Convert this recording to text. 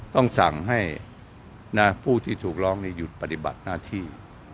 ต้องสั่งให้ผู้ที่ถูกร้องหยุดปฏิบัติหน้าที่